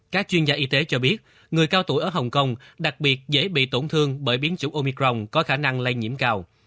các chuyên gia y tế cho biết người cao tuổi ở hồng kông đặc biệt dễ bị tổn thương bởi biến chủng omicron có khả năng lây nhiễm cao